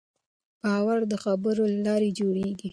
باور د خبرو له لارې جوړېږي.